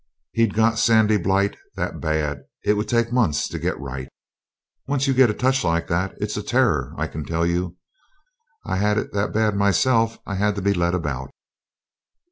He'd got sandy blight that bad it would take months to get right. Once you get a touch like that it's a terror, I can tell you. I've had it that bad myself I had to be led about.